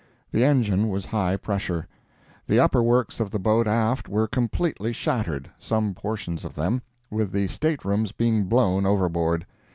The engine was high pressure. The upper works of the boat aft were completely shattered, some portions of them, with the state rooms being blown overboard.